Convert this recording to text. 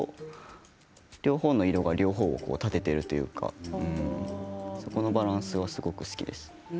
両方の色が両方を立てているというか、そこのバランスがすごく好きです。